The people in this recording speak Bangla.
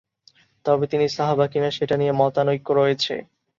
তবে তিনি সাহাবা কিনা সেটা নিয়ে মতানৈক্য রয়েছে।